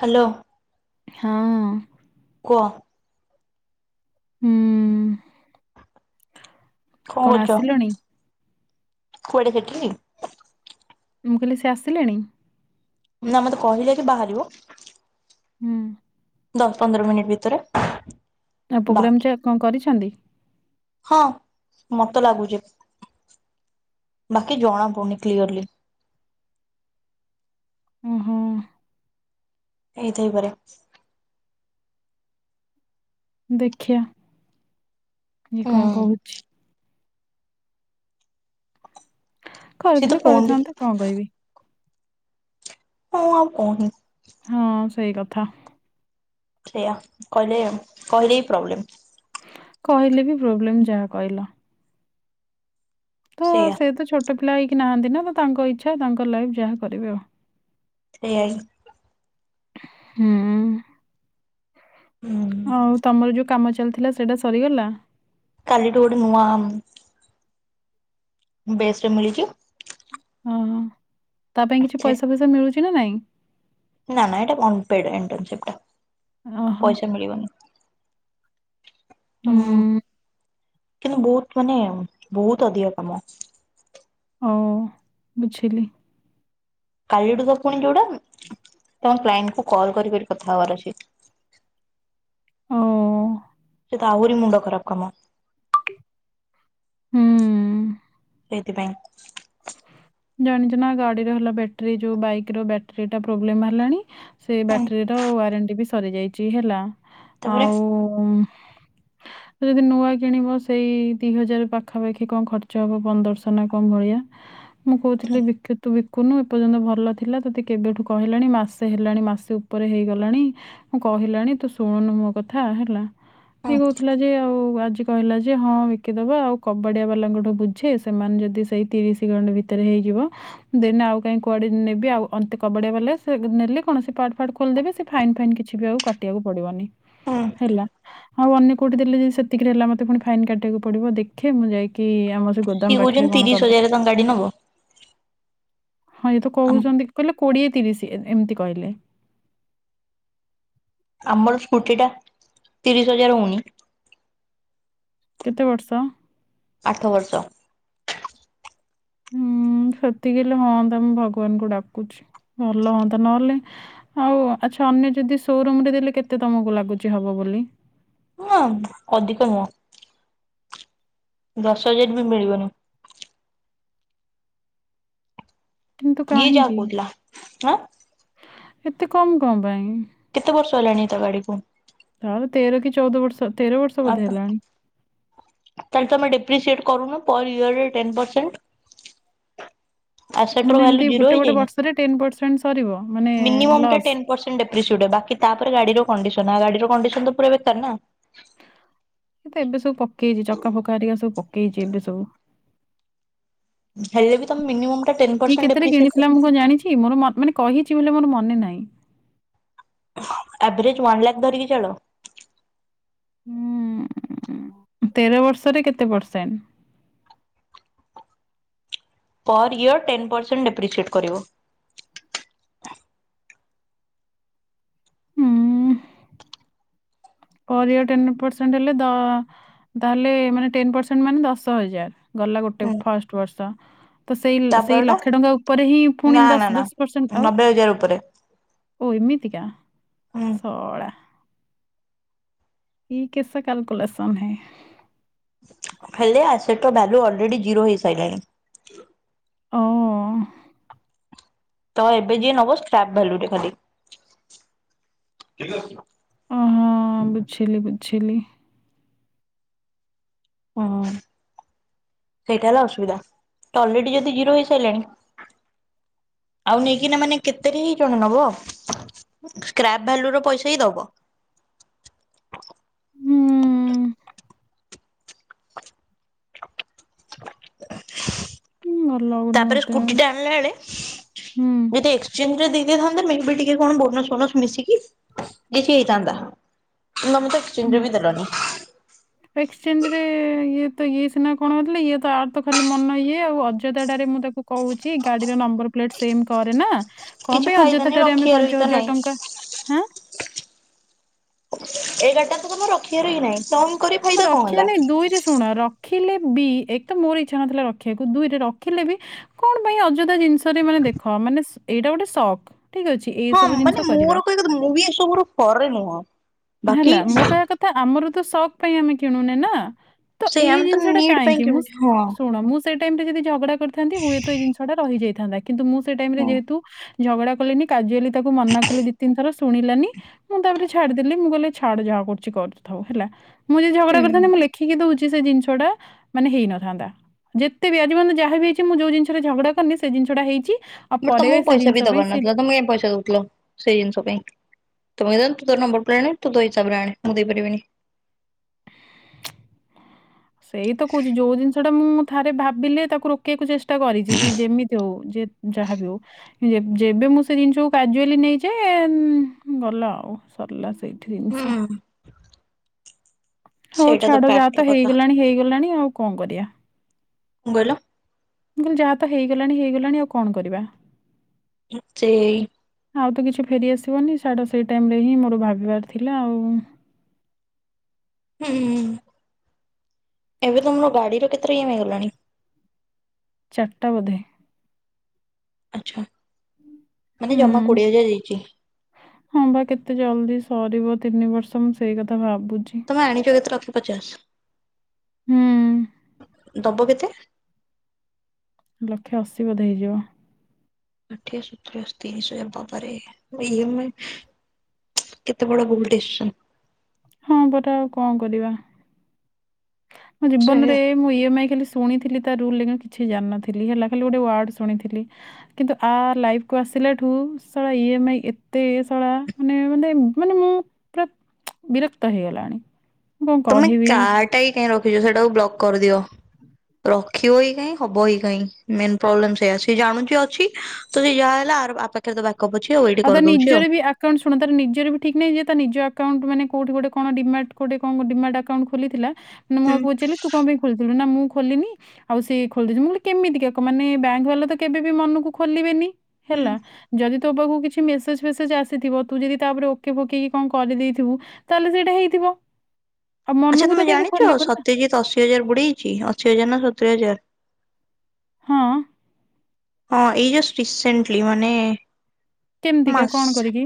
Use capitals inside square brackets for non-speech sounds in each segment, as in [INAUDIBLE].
Hello, ହଁ କୁଅ, ହୁଁ-ଉ-ଉ-ଉ କଣ ଆସିଲଣି? କୁଆଡେ ସେଠିକି? ମୁଁ କହିଲି ସିଏ ଆସିଲେଣି? ମତେ କହିଲେ କି ବାହାରିବ? ହୁଁ। ଦଶ୍ ପନ୍ଦର୍ ମିନିଟ୍ ଭିତରେ। ତା ପୋଗ୍ରାମ୍ ବାକି ଚା କଣ କରିଛନ୍ତି? ହଁ ମତେ ଲାଗୁଚି। ବାକି ଜଣା ପଡ଼ୁନି କ୍ଲିଅର୍ ଲି। ଓହୋ ଏଇଥାଇପାରେ। ଦେଖିଆ ଇଏ ହୁଁ କଁ କହୁଛି। ସିଏ ତ କରିଥିଲେ ଫୋନ ବି କରିଥାନ୍ତି କଁ କହିବି? ମୁଁ ଆଉ କଉନି। ହଁ ସେଇ କଥା। ସେୟା କହିଲେ କହିଲେ ହି ପ୍ରୋବ୍ଲେମ୍। କହିଲେ ବି ପ୍ରୋବ୍ଲେମ୍ ଯାହା କହିଲ। ତ ସେଇଆ ସେ ତ ଛୋଟ ପିଲା ହେଇକି ନାହାନ୍ତି ନା ତ ତାଙ୍କ ଇଚ୍ଛା ତାଙ୍କ ଲାଇଫ୍ ଯାହା କରିବେ ଅ ଥେଇଆ ହି। ହୁଁ ହୁଁ ଆଉ ତମର ଯୋଉ କାମ ଚ୍ ଚାଲିଥିଲା ସେଟା ସରିଗଲା? କାଲିଟୁ ଗୋଟେ ନୂଆ [UNINTELLIGIBLE] ବେଶ୍ ରେ ମିଳିଚି। ଅହ ତା ପାଇଁ କିଛି ପଇସା ଫଇସା ମିଳୁଚି ନା ନାଇଁ? ନା, ନା [UNINTELLIGIBLE] ଚିପ୍ ଟା ଓହୋ ପଇସା ମିଳିବନି। ତଁ। ହୁଁ କିନ୍ତୁ ବୋହୁତ୍ ମାନେ ବୋହୁତ୍ ଅଧିକ କାମ ଅଛି। ଓ ବୁଝିଲି। କାଲିଟୁ ତ ପୁଣି ଯୋଉଟା। ତମ କ୍ଲାଏଣ୍ଟ୍ କୁ କଲ୍ କରି କରି କଥା ହବାର ଅଛି। ଓ। ସେ ତ ଆହୁରି ମୁଣ୍ଡ ଖରାପ୍ କାମ। ହୁଁ। ଏଇଥି ପାଇଁ। ଜାଣିଛ ନା ଗାଡ଼ିର ହେଲା ବେଟ୍ ରି ଯୋଉ ବାଇକର ବ୍ୟାଟ୍ ରୀଟା ପ୍ରୋବ୍ଲେମ୍ ହେଲାଣି। ସେ ହୁଁ ବ୍ୟାଟ୍ ରୀର ୱାରେଣ୍ଟି ବି ସରିଯାଇଛି ହେଲା ତାପରେ ଆଉ ଯଦି ନୂଆ କିଣିବ ସେଇ ଦି ହଜାର୍ ପାଖାପାଖି କଁ ଖର୍ଚ୍ଚ ହବ ପନ୍ଦର୍ସ ନା କଁ ଭଳିଆ। ମୁଁ କହୁଥିଲି ବି କେ [UNINTELLIGIBLE] କୁନୁ ଏପର୍ଯ୍ୟନ୍ତ ଭଲ ଥିଲା ତତେ କେବେଠୁ କହିଲାଣି ମାସେ ହେଲାଣି ମାସେ ଉପରେ ହେଇଗଲାଣି ମୁଁ କ କହିଲାଣି ତୁ ଶୁଣୁନୁ ମୋ କଥା ହେଲା। ହି ହୁଁ କହୁଥିଲା ଯେ ଆଉ ଆଜି କହିଲା ଯେ ହଁ ବିକିଦବା ଆଉ କବାଡ଼ିଆ ବାଲାଙ୍କଟୁ ବୁଝେ ସେମାନେ ଯଦି ସେଇ ତିରିଶି [UNINTELLIGIBLE] ବି ତେରେ ହେଇଯିବ ଦେନ୍ ଆଉ କାଇଁ କୁଆଡ଼େ ନେବି ଆଉ ଅନ୍ତେ କବାଡି଼ଆ ବାଲା ସେ ଗ୍ ନେଲେ କଣ ପାଟ୍ ଫାଟ୍ ଖୋଲ୍ ଲ୍ ଦେବେ ସେ ଫାଇନ୍ ଫାଇନ୍ କିଛି ବି ଆଉ କାଟିବାକୁ ପଡ଼ିବନି। ହୁଁ ହେଲା ଆଉ ଅନ୍ୟ କୋଉଟି ଦେଲେ ଯଦି ସେତିକିରେ ହେଲା ମତେ ପୁଣି ଫାଇନ୍ କାଟିବାକୁ ପଡ଼ିବ ଦେଖେ ମୁଁ ଯାଇକି ଆମ ତ୍ ସିଏ ଗୋଦାମ୍ ପାଖରେ କହୁଛନ୍ତି କଣ ତିରିଶ [UNINTELLIGIBLE] ହଜାରରେ ତାଙ୍କ ଗାଡି ନବ ହଁ ଇଏ ତ ଆମ କହୁଛନ୍ତି କହିଲେ କୋଡ଼ିଏ ତିରିଶି ଏ-ଏମିତି କହିଲେ। ଆମର ସ୍କୁଟି ଟା ତିରିଶ୍ ହଜାର୍ ହୋଉନି। କେତେ ବର୍ଷ? ଆଠ ବର୍ଷ। ହୁଁ। ହୁଁ ସେତିକି ହେଲେ ହଅନ୍ତା ମୁଁ ଭଗବାନ୍ ଙ୍କୁ ଡାକୁଛି ଭଲ ହୁଅନ୍ତା ନହେଲେ ଆଉ ଆଛ୍ [UNINTELLIGIBLE] ଯଦି ସୋ ରୁମ୍ ରେ ଦେଲେ କେତେ ତମକୁ ଲାଗୁଛି ହବ ବୋଲି? [UNINTELLIGIBLE] ଅଧିକ ନୁଅଁ। ଦଶ ହଜାର୍ ବି ମିଳିବନି। କିନ୍ତୁ ଇଏ ଯାହା କାହିଁକି କହୁଥିଲା ଆଁ ଏତେ କମ୍ କଁ ପାଇଁ? କେତେ ବର୍ଷ ହେଲାଣି ତୋ ଗାଡିକୁ? ତାର ତେର କି ଚଉଦ ବର୍ଷ। ବର୍ଷ ଆର ବୋଧେ ହେଲାଣି। ତ ତାଲେ ତମେ ଡେପ୍ରିସିିଏଟ କରୁନ? Per ଇୟରେ ten percent. ଆସେଟ୍ ମାନେ ର ଏମିତି ଭାଲ୍ୟୁ ଜିର ଗୋଟେ ଗୋଟେ ହେଇଯାଇନି ବର୍ଷରେ ସରିବ ମାନେ ମିନିମମ୍ ଟା ଲସ୍। ଟେନ୍ ପରସେଣ୍ଟ ଡେପ୍ରିସିିଏଟ ହ ବାକି ତାପରେ ଗାଡିର କଣ୍ଡିସନ ଆଉ ଗାଡିର କଣ୍ଡିସନ ତ ପୁରା ବେକାର ନା। ସିଏ ତ ଏବେ ସବୁ ପକେଇଛି ଚକା ଫକା ହରିକା ସବୁ ପକେଇଛି ଏବେ ସବୁ। ହେଲେ ବି ତମେ ମିନିମମ୍ ଟା ଟେନ୍ ଇଏ ପରସେଣ୍ଟ କେତେ ରେ ଡେପ୍ରିସିଏଟ୍ କର କିଣିଥିଲା ମୁଁ କଣ ଜାଣିଛି ମୋର ମ ମାନେ। କହିଛି ବୋଲେ ମୋର ମନେ ନାହି। ଆଭରେଜ ୱନ୍ ଲାଖ ଧରିକି ଚାଲ। ହୁଁ ତେର ବର୍ଷରେ କେତେ percent? Per year ten percent depreciate କରିବ। ହୁଁ। ପରୟଅର ଟେନ ପରସେଣ୍ଟ ହେଲେ ଦ ତାହେଲେ ମାନେ ଟେନ ପର୍ସେଣ୍ଟ ମାନେ ଦଶ ହଜାର। ଗଲା ଗୋଟେ ହୁଁ ଫଷ୍ଟ ବର୍ଷ। ତ ସେଇ ଲ ସେଇ ତାପରଟା ଲକ୍ଷେ ଟଙ୍କା ଉପରେ ହିଁ ପୁଣି ନା ନା ଦଶ ନା ଦଶ ପରସେଣ୍ଟ ଆଉ। ନବେ ହଜାର ଉପରେ ଓ ଏମିତିକା ହୁଁ ସଳା। ଇ କେସା କ୍ୟାଲକୁଲେସନ ହେ। ହେଲେ ଆସେଟ ର ଭାଲ୍ୟୁ ଅଲରେଡି ଜିରୋ ହେଇସାଇିଲଣି। ଓ। ତ ଏବେ ଯିଏ ନବ ସ୍କ୍ରାବ ଭାଲିଉ ରେ ଖାଲି। ଓ ହଁ ବୁଝିଲି ବୁଝିଲି। ହୁଁ ସେଇଟା ହେଲା ଅସୁବିଧା ତ ଅଲରେଡି ଯଦି ଜିରୋ ହେଇସାଇଲାଣି। ଆଉ ନେଇକିନା ମାନେ କେତେରେ ଜଣେ‌ ନବ ଭ୍ୟାଲୁର ପଇସା ହିଁ ଦବ। ହୁଁ। ହୁଁ, ଭଲ ଲାଗୁନି ତାପରେ ମତେ ସ୍କୁଟି ଟା ଆଣିଲା ବେଳେ ହୁଁ। ଯଦି ଏକ୍ସଚେଞ୍ଜ ଯଦି। ଥାନ୍ତା ମେ ବି ଟିକେ କଣ ବୋନସ ଫୋନସ ମିଶିକି ବେସି ହେଇଥାନ୍ତା। ହେଲେ ଆମେ ତ ଏକ୍ସଚେଞ୍ଜ ରେ ବି ଦବାନି। ଏଇ। ଇଏ ତ ଇଏ ସିନା କଣ ହଉଥିଲେ ଇଏ ତ ଆର ତ ଖାଲି ମନ ଇଏ ଆଉ ଅଯୋଥାଟାରେ ମୁଁ ତାକୁ କହୁଛି ଗାଡିରେ ନ ମ୍ୱବର ପ୍ଲେଟ୍ ସେମ୍ କରେନା କଣ କିଛି ପାଇଁ ଫାଇଦା ଅଯଥା ନାହିଁ ଟାରେ ଆମେ ରଖିବାର ପାଞ୍ଚ ବି ତ ହଜାର ନାହିଁ। ଟଙ୍କା ହାଁ। ଏଇଗାଡି ଟା ତ ତମର ରଖିବାର ହିଁ ନାହିଁ ତମ ରଖିବାର ନାଇଁ ଦୁଇରେ ଶୁଣ। ରଖିଲେ ବି ଏକତ ମୋର ଇଚ୍ଛା ନଥିଲା ରଖିବାକୁ ଦୁଇରେ ରଖିଲେ ବି କଣ ପାଇଁ ଅଯଥା ଜିନିଷରେ ମାନେ। ଦେଖ ମାନେ ଏଇଟା ଗୋଟେ ଶକ୍। ହଁ ମାନେ ମୋର କହିଆକଥା ମୁବି ଏ ସବୁୁ ପରେ ନୁହଁ। ବାକି ହେଲା ମୋ କହିବା କଥା ଆମର ତ ସକ୍ ପାଇଁ ଆମେ କିଣୁନେ ନା। ତ ସେଇ ଏଇ ଆମେ ତ ଜିନିଷ ଟା ନିଡ୍ ପାଇଁ କାହିଁକି ମୁଁ ଶ୍ କିଣୁଛୁ ହଁ ଶୁଣ ମୁଁ ଶ୍। ସେ ଟାଇମ ରେ ଯଦି ଝଗଡା କରିଥାନ୍ତି ହୁଏତ ଏ ଜିନିଷ ଟା ରହିଯାଇଥାନ୍ତା କିନ୍ତୁ ମୁଁ ସେ ଟାଇମରେ ହଁ ଯେହେତୁ। ଝଗଡା କଲିନି କାଜୁଆଲି ତାକୁ ମନା କଲି ଦି ତିନ ଥର ଶୁଣିଲାନି ମୁଁ ତାପରେ ଛାଡିି ଦେଲି ମୁଁ କହିଲି ଛାଡ ଯାହା କରୁଛି କରିଥାଉ ହେଲା ମୁଁ ଯଦି ଝଗଡା ହୁଁ। କରିଥାନ୍ତି ମୁଁ ଲେଖିକି ଦଉଛି। ଯେ ସେ ଜିନିଷ ଟା ମାନେ ହେଇନଥାନ୍ତା। ଯେତେ ବି ଆଜିପଯନ୍ତ ଯହା ବି ହେଇଛି ମୁଁ ଯୋଉ ଜିନିଷରେ ଝଗଡା କରିନି ସେ ଜିନସଟା ହେଇଛି। ଆଉ ବଟ ପରେ ତମକୁ ସେ ପଇସା ଜିନିଷ ବି ପାଇଁ ଦବାର ସେ ନଥିଲା ତମେ କାଇଁ ପଇସା ଦଉଥିଲ ସେଇ ଜିନିଷ ପାଇଁ। ତମେ କଇଥାନ୍ତ ତୁ ତୋର ନମ୍ବର ପ୍ଲେଟ୍ ଆଣିବୁ ତୁ ତୋ ହିସାବରେ ଆଣେ ମୁଁ ଦେଇପାରିବିନି। ସେଇ ତ କହୁଛି ଯୋଉ ଜିନିଷ ଟା ମୁଁ ଥରେ ଭାବିଲେ ତାକୁ ରୋକିଆକୁ ଚେଷ୍ ଷ୍ଟା କରିଛି ସିଏ ଯେମିତି ହଉ ଯେ ଯାହାବି ହଉ ଯେବେ ମୁଁ ସେ ଜିନିଷକୁ କାଜୁଆଲି ନେଇଯାଏ ଗଲା ଆଉ। ସରିଲା ସେଇଠି ହୁଁ ଜିନଷ। ହଉ ସେଇଟା ଛାଡ ଯାହା ଫ୍ୟାକ୍ଟର ତ କଥା। ହେଇଗଲାଣି ହେଇଗଲାଣି ଆଉ କଣ କରିବା। କଣ କହିଲ? ମୁଁ କହିଲି ଯାହା ତ ହେଇଗଲାଣି ହେଇଗଲାଣି ଆଉ କଣ କରିବା। ସେଇ ଆଉ ତ କିଛି ଫେରିଆସିବନି ସାଡ ସେଇ ଟାଇମ ରେ ହିଁ ମୋର ଭାବିବାର ଥିଲା ଆଉ। ହୁଁ। ଏବେ ତମର ଗାଡିର କେତେ [UNINTELLIGIBLE] ହେଇଗଲାଣି? ଚାରିଟା ବୋଧେ। ଆଚ୍ଛା। ମାନେ ଜମା ହୁଁ, କୋଡିଏ ହଜାର ଦେଇଛି ହଁ ବା କେତେ ଜଲଦି ସରିବ ତିନି ବର୍ଷ ମୁଁ ସେଇ କଥା ଭାବ ତମେ ଆଣିଛ କେତେ ଲକ୍ଷେ ପଚାଶ? ହୁଁ ଦବ କେତେ? [INAUDIBLE] ଲକ୍ଷେ ଅଶୀ ବୋଧେ ହେଇଯିବ। ଷାଠିଏ, ସତୁରୀ, ଅଶି, ତିରିଶି ହଜାର ବାବାରେ। ଇଏମାଇ କେତେ ବଡ ଭୁଲ ଡିସିସନ୍। ହଁ, ପର ଆଉ କଣ କରିବା। ମୋ ଜୀବନରେ ସେଇଆ ମୁଁ ଇଏମାଇ ଖାଲି ଶୁଣିଥିଲି ତା ରୁଲ କିଛି ଜାନନଥିଲି ହେଲା ଖାଲି ଗୋଟେ ୱାର୍ଡ଼ ଶୁଣିଥିଲି। କିନ୍ତୁ ଆ ଲାଇଫ୍ କୁ ଆସି ଆସିଲାଠୁ ଶଳା ଇଏମାଇ ଏତେ ଶଳା ମାନେ ମାନେ ମୁଁ ପୁରା ବିରକ୍ତ ହେଇଗଲାଣି। ମୁଁ କ'ଣ ତମେ କହିବି କାଡ୍ଟା ହିଁ କାଇଁ ରଖିଛ ସେଟାକୁ ବ୍ଲକ କରିଦିଅ। ରଖିବ ହି କାଇଁ ହବ ହି କାଇଁ। ମେନ ପ୍ରୋବ୍ଲେମ ସେଇଆ ସେ ଜାଣୁଛି ଅଛି ତ ସେ ଯାହା ହେଲା ଆର ଆ ପାଖରେ ତ ବା ଆଉ ତା ନିଜର ବି ଆକାଉଣ୍ଟ ଶୁଣ ତାର ନିଜର ବି ଠିକ ନାହିଁ ଯେ ତା ନିଜ ଆକାଉଣ୍ଟ ମାନେ କୋଉଠି ଗୋଟେ କଣ ଡିମାର୍ଟ ଗୋଟେ କଣ ଡିମାର୍ଟ ଆକାଉଣ୍ଟ ଖୋଲିଥିଲା। ମାନେ ମୁଁ ହୁଁ ଆକୁ ପଚାରିଲି ତୁ କଣ ପାଇଁ ଖୋଲିଥିଲୁ। ନା ମୁଁ ଖୋଲିନି ଆଉ ସେ ଖୋଲିଦେଇଛି। ମୁଁ କହିଲି କେମିତିକା ମାନେ ବ୍ୟାଙ୍କ ବାଲା ତ କେବେ ବି ମନକୁ ଖୋଲିବେନି। ହୁଁ। ହେଲା ଯଦି ତୋ ପାଖକୁ କିଛି ମେସେଜ ଫେସେଜ ଆସିଥିବ ତୁ ଯଦି ତାପରେ ଓକେ ଫକେକି କଣ କରି ଦେଇଥିବୁ ତାହେଲେ ସେଇଟା ହେଇଥିବ। ଆଉ ଆଚ୍ଛା ମନକୁ ତ ତମେ କେବେ ଜାଣିଛ ଖୋଲିବନି ନା ସତ୍ୟଜିତ୍ ଅଶୀ ହଜାର ବୁଡେଇଛି। ଅଶୀ ହଜାର ନା ସତୁୁରୀ ହଜାର। ହଁ! ହଁ, ଏଇ ଜଷ୍ଟ ରିସେଣ୍ଟଲି ମାନେ କେମିତିକା କଣ ମାସେ। କରିକି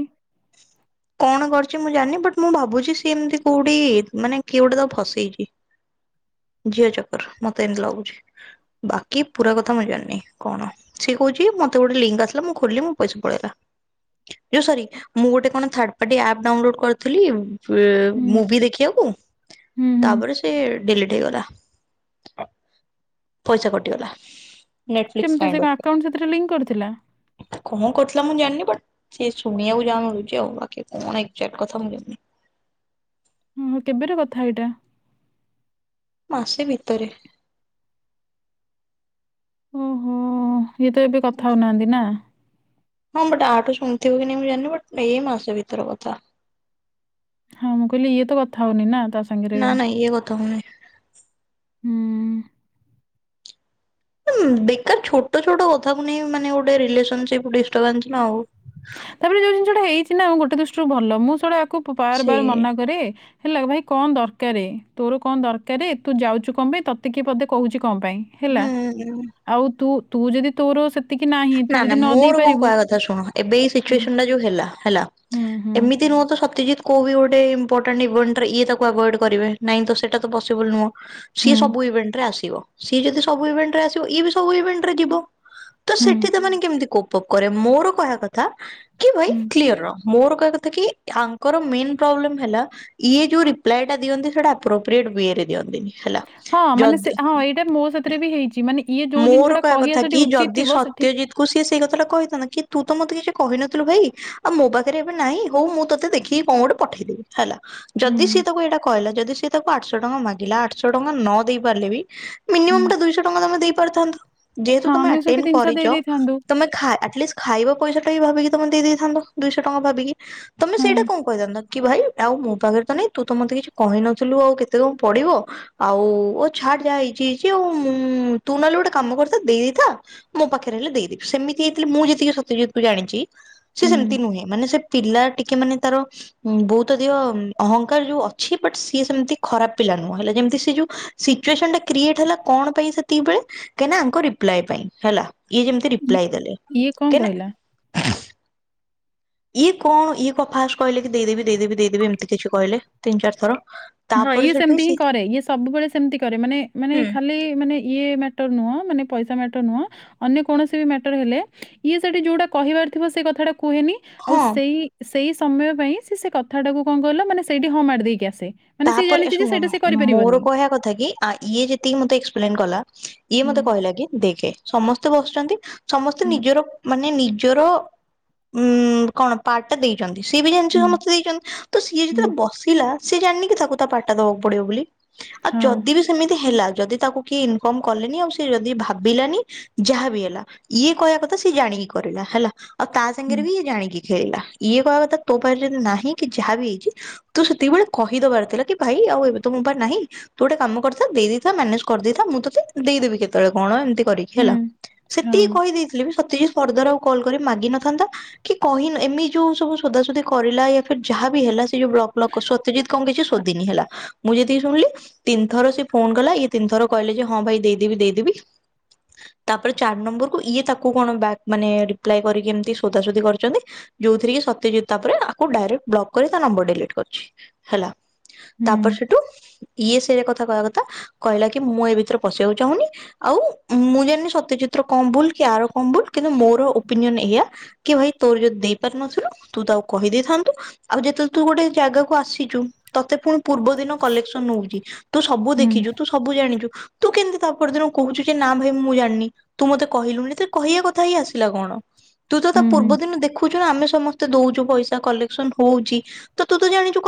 କଣ କର ମୁଁ ଜାଣିନି ବଟ୍, ମୁଁ ଭାବୁଛି ସି ଏମିତି କୋଉଠି ମାନେ କିଏ ଗୋଟେ ତାକୁ ଫସେଇଛି। ଝିଅ ଚକର ମତେ ଏମତି ଲାଗୁଛି। ବାକି ପୁରା କଥା ମୁଁ ଜାଣିନି କଣ। ସିଏ କହୁଛି ମତେ ଗୋଟେ ଲିଙ୍କ ଆସିଲା ମୁଁ ଖୋଲିଲି ମୋ ପଇସା ପଳେଇଲା। ଯୋଉ ସରି ମୁଁ ଗୋଟେ କଣ ଥାର୍ଡ ପାର୍ଟି ଆପ ଡାଉନଲୋଡ କରିଥିଲି ବୁ- ହୁଁ ମୁଭି ଦେଖିବାକୁ ହୁଁ ହୁଁ ତାପରେ ସେ ଡିଲେଟ ହେଇଗଲା। ପଇସା କଟିଗଲା। ନେଟଫଲିକ୍ସ କେମିତି ସେ କାଇଣ୍ଡ କଣ ରୁ। ଆକାଉଣ୍ଟ ସେଥିରେ ଲିଙ୍କ୍ କରିଥିଲା? କଣ କରିୁଥିଲା ମୁଁ ଜାଣିନି ବଟ୍ ସେ ଶୁଣିବାକୁ ଜାହା ମିଳୁଛି ଆଉ ବାକି କଣ ଏକ୍ଜାକ୍ଟ କଥା ମୁଁ ଜାଣିନି। ହଁ- ହଁ, କେବେର କଥା ଏଇଟା? ମାସେ ଭିତରେ। ଓହୋ ଇଏ ତ ଏବେ କଥା ହଉନାହାନ୍ତି ନା? ହଁ ବଟ୍ ଆଠୁ ଶୁଣଥିବ କି ନାହିଁ ମୁଁ ଜାଣିନି ବଟ୍ ଏଇ ମାସ ଭିତରେ କଥା। ହଁ, ମୁଁ କହିଲି ଇଏ ତ କଥା ହଉନି ନା? ତା ସାଙ୍ଗରେ। ନାଁ ନାଁ, ଇଏ କଥା ହଉନି। ହୁଁ ବେକାର ଛୋଟ ଛୋଟ କଥାକୁ ନେଇ ମାନେ ଗୋଟେ ରିଲେସନସିପ ଦିଷ୍ଟବାନ୍ସ ନ ହଉ ତାପରେ ଯୋଉ ଜିନିଷଟା ହେଇଛି ନା ମୁ ଗୋଟେ ଦୃଷ୍ଟିରୁ ଭଲ ମୁଁ ଶଳା ଆକୁ ବାର ବାର ସେଇ ମନା କରେ ହେଲା ଭାଇ କଣ ଦରକାର ତୋର କଣ ଦରକାର ତୁ ଯାଉଛୁ କଣ ପାଇଁ ତତେ କି ପଦେ କହୁଛି କଣ ପାଇଁ ହେଲା ହୁଁ ଆଉୁ ତୁ ଯଦି ତୋର ସେତିକି ନାହିଁ ତୁ ନା ନା ଯଦି ନ ଦେଇ ମୋର କଣ ପାରିବୁ କହିବା କଥା ଶୁଣ ଏବେ ଏଇ ହୁଁ, ସିଚୁଏସନ ଟା ଯୋଉ ହେଲା ହେଲା ହୁଁ, ହୁଁ, ଏମିତି ନୁହଁ ତ ସତ୍ୟଜିତ କୋ ଗୋଟେ ଇମ୍ପୋଟାନ୍ତେ ଏଭିଏଣ୍ଟ ଇଏ ତାକୁ ଆଭଏଡ କରିବେ ନାଇଁ ସେଟ ତ ପସିବିଲୁ ନୁହଁ ସିଏ ହୁଁ, ସବୁ ଇଭେଣ୍ଟ ରେ ଆସିବ ସିଏ ଯଦି ସବୁ ଇଭେଣ୍ଟ ରେ ଆସିବ ଇଏ ବି ସବୁ ଇଭେଣ୍ଟ ରେ ଯିବ ତ ହୁଁ, ସେଠି ତା ମାନେ କେମିତି କୋପ କପ କରେ ମୋର କହିବା କଥା କି ଭାଇ ହୁଁ। କ୍ଲିୟର ରହ ମୋର କି ଆଙ୍କର ମେ ପ୍ରୋବ୍ଲେମ ହେଲା ଇଏ ଯୋଉ ରିପ୍ଲାଏ ଟା ଦିଅନ୍ତି ସେଟାପୋପ୍ରିଟ ୱରେ ଯଦି ହେଲା ହଁ, ମାନେ ସେ ଯିଦି ହଁ, ଏଇଟା ମୋ ସାଥିରେ ବି ହେଇଛି। ମାନେ ଇଏ ଯୋଉ ମୋର ଜିନିଷଟା କହିବା କଥା ସେଠି କି ଉଚିତ ଯଦି ଥିବ ସେଠି ସତ୍ୟଜିତ କୁ ସିଏ ସେଇ କଥା ଟା କହିଥାନ୍ତା କି ତୁ ତ ମତେ ତ କିଛି କହିନଥିଲୁ ଭାଇ ଆଉ ମୋ ପାଖରେ ଏବେ ନାହିଁ ହଉ ମୁଁ ତୋତେ ଦେଖିକି କଣ ଗୋଟେ ପଠେଇଦେବି ହେଲା ଯଦି ସିଏ ହୁଁ, ତାକୁ ଏଇଟା କହିଲା ଯଦି ସିଏ ତାକୁ ଆଠଶହ ଟଙ୍କା ମାଗିଲା ଆଠଶହ ଟଙ୍କା ନ ଦେଇ ପାରିଲେ ବି ହୁଁ। ମିନମମ ଟା ଦୁଶହ ଟଙ୍କା ତମେ ଦେଇ କରିନଥାନ୍ତ ଯେହେତୁ ହଁ, ତମେ କି ଆଟେନ୍ ଦେଇ କରିଛ ଦେଇଥାନ୍ତୁ। ତମେ ଖା ଆଟି ଲିଷ୍ଟ ଖା ପଇସା ଟା ବି ଭାବିକି ତମେ ଦେଇଥାନ୍ତ ଦୁଇଶହ ଟଙ୍କା ଭାବିକି ତମେ ହଁ, ସେଇଟା କଣ କହିଥାନ୍ତତା କି ଭାଇ ଆଉ ମୋ ପାଖରେ ତ ନାଇଁ ତୁ ତ ମତେ କିଛି କହିନଥିଲୁ ଆଉ କେତେ କଣ ପଡିବ ଆଉ କହାର ଯ ହେଇଛି ଯେ ଆଉ ମୁଁ ତୁ ନହେଲେ ଗୋଟେ କାମ କରିଥା ଦେଇଥା ମୋ ପାଖରେ ହେଲ ଦେଇଦବି ସେମିତି ହେଇଥିଲି ମୁଁ ଯେତିକି ସତ୍ୟଜିତ୍ କୁ ଜାଣିଛି ସେ ହୁଁ, ସେମିତି ନୁହେଁ ମାନେ ସେ ପିଲା ଟିକେ ମାନେ ତାର ବହୁତ ଅଧିକ ଅହଙ୍କାର ଯୋଉ ଅଛି ବଟ ସିଏ ସେମିତି ଖରାପ ପିଲା ନୁହ ହେଲେ ଯେମିତି ସେ ଯୋଉ ସିକ୍ଟୁଅସନ କ୍ରିଏଟେ ହେଲା କଣ ପାଇଁ ସେତିକି ବେଳେ କାହିଁନା ଆଙ୍କ ରିପ୍ଲାଏ ପାଇଁ ହେଲା ଇଏ ଯେମିତି ଇ ଲାଇ ଦେଲେ ଇଏ କଣ କେନା କହିଲା? ଇଏ କଣ ଇଏ କ ଫାଷ୍ଟ କହିଲେ କି ଦେଇଦେବି ଦେଇଦେବି ଦେଇଦେବି ଏମିତି କିଛି କହିଲେ ତିି ଚାରି ଥର ହଁ ତାପରେ ଇଏ ସେଠୁ ସେମିତି ହିଁ ସେ କରେ ଇଏ ସବୁବେଳେ ସେମତି କରେ ମାନେ ମାନେ ଖାଲି ମାନେ ଇଏ ମାଟ୍ୟର ନୁହଁ ମାନେ ପଇସା ମାଟ୍ୟର ନୁହଁ ଅନ୍ୟ କୌଣସି ବି ମାଟ୍ୟର ହେଲେ ଇଏ ସେଠି ଯୋଉଟା କହିବାର ଥିବ ସେ କଥାଟା କୁହେନି ଆଉ ହଁ ସେଇ ସେଇ ସମୟ ପାଇଁ ସି ସେ କଥାଟାକୁ କଣ କହିଲ ମାନେ ସେଇଠି ହଁ ମାଡି ଦେଇକି ଆସେ ମାନେ ସିଏ ତାପରେ ଜାଣିଛି ଯେ ଶୁଣ ସେଇଟା ସେ ମୋର କରିପାରିବନି। କହିବା କଥା କି ଇଏ ଯେତିକି ମତେ ଏକ୍ସପ୍ଲେନ କଲା ଇଏ ହୁଁ, ମତେ କହିଲା କି ଦେଖେ ସମସ୍ତେ ବସିଛନ୍ତି ସମସ୍ତେ ହୁଁ, ନିଜର ମାନେ ନି ଚୋର ଉ କଣ ପାଟ୍ ଦେଇଛନ୍ତି ସିଏ ବି ଜାଣିଚ ହୁଁ, ମତେ ଦେଇଛନ୍ତି ତ ସିଏ ହୁଁ, ଯେତେବେଳେ ବସିଲା ସିଏ ଜାଣିନିକି ତାକୁ ତା ପାଟ ତା ଦବାକୁ ପଡିବ ବୋଲି ଆଉ ହଁ, ଯଦି ବି ସେମିତି ହେଲା ଯଦି ତାକୁ କିଏ ଇନଫର୍ମ କଲେନି ଆଉ ସେ ଯଦି ଭାବିଲାନି ଯାହା ବି ହେଲା ଇଏ କହିବା କଥା ସଏ ଜାଣ ଇଏ କରିବା ହେଲା ଆଉ ତା ହୁଁ, ସାଙ୍ଗରେ ବି ଜାଣିକି ଖେଳିଲା ଇଏ କହିବା କଥା ତୋ ପାଖରେ ନାହିଁ କି ଯାହା ବିି ହେଇଛି ତୁ ସେତିକବେଳେ କହିଦବାର ଥିଲା କି ଭାଇ ଆଉ ଏବେ ତ ମୁଁ ପା ନାହିଁ ତୁ ଗଟେ କାମ କରିଥା ଦେଇଥା ମାନେଜ କରିଦେଇଥା ମୁଁ ତ ଦେଇଦେବି କେତେବେଳେ କଣ ଏମିତି କରିକି ହୁଁ, ହେଲା ହଁ, ସେତିକି କହିଦେଇଥିଲି ବି ସତୀ ଫରଦର ଆଉ କଲ କରି ମାଗିିନଥାନ୍ତା କି କହିନ ଏମି ଯୋଉ ସବୁ ସୋଧାସୋଧୀ କରିଲା [INAUDIBLE] ଯାହା ବି ହେଲା ସେ ଯୋଉ ବ୍ଲକ୍ ବ୍ଲକ୍ ସତ୍ୟଜିତ୍ କଣ କିଛି ସୋଧିନି ହେଲା ମୁଁ ଯେତିକି ଶୁଣିଲି ତିନିଥର ସେ ଫୋନ କଲା ଇଏ ତିନିଥର କହିଲା କି ଯେ ହଁ ଭାଇ ଦେଇଦବି ଦେଇଦବି ହ ତାପରେ ଚାର ନମ୍ବରକୁୁ ଇଏ ତାକୁ କଣ ମାନେ ରିପ୍ଲାଏ କରିକି ଏମତି ସୋଧାସଧି କରିଛନ୍ତି ଯୋଉଥିରେ କି ସତ୍ୟଜିତ୍ ତା ପରେ ଆକୁ ଡାଇରେକ୍ଟ ବ୍ଲକ କରି ତା ନମ୍ବର ଡିଲିଟି କରଛି ହେଲା ହୁଁ, ତାପରେ ସେଠୁ ଇଏ ସେଇଟ କଥା ଥା କହିବା କଥା କହିଲା କି ମୁଁ ଏ ଭିତରେ ପଶିବାକୁ ଚାହୁଁନି ଆଉ ମୁଁ ଜାଣିନି ସତ୍ୟଜିତ୍ କଣ ଭୁଲ ଆର କଣ ଭୁଲ କିନ୍ତୁ ମୋର ଓପିନିଅନ ଏଇଆ କି ଭାଇ ତୋର ଯଦି ଦେଇ ପାରୁନଥିଲୁ ତୁ ତାକୁ କହିଦେଇଥାନ୍ତୁ। ଆଉ ଯେତେବେଳେ ତୁ ଗୋଟେ ଜାଗାକୁ ଆସିଚୁ। ତତେ ପୁଣି ପୂର୍ବ ଦିନ କଲେକ୍ସନ ହଉଛି ତୁ ସବୁ ହୁଁ, ଦେଖିଛୁ ତୁ ସବୁ ଜାଣିଛୁ। ତୁ କେମିତି ତା ପରଦିନ କହୁଛୁ ଯେ ନା ଭାଇ ମୁ ଜାଣିନି, ତୁ ମତେ କହିଲୁନି ଏଥିରେ କହିବା କଥା ହିଁ ଆସିଲା କଣ। ତୁ ତ ତା ହୁଁ, ପୂର୍ବ ହୁଁ। ଦିନ ଦେଖୁଛୁ ନା ଆମେ ସମସ୍ତେ ଦଉଛୁ ପଇସା କଲେକ୍ସନ ହଉଛି ତୁ ତ ଜାଣିଛୁ